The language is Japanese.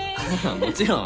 もちろん！